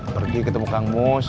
pergi ketemu kang mus